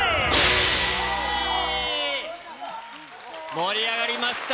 盛り上がりました。